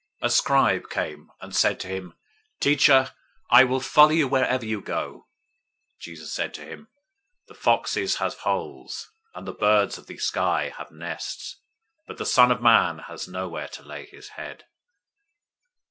008:019 A scribe came, and said to him, "Teacher, I will follow you wherever you go." 008:020 Jesus said to him, "The foxes have holes, and the birds of the sky have nests, but the Son of Man has nowhere to lay his head."